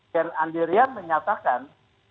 yang andirian menyatakan